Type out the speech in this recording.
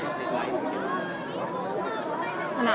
และที่อยู่ด้านหลังคุณยิ่งรักนะคะก็คือนางสาวคัตยาสวัสดีผลนะคะ